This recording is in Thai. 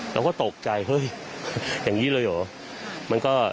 เราก็ตกใจเฮ้ยอย่างนี้เลยเหรอ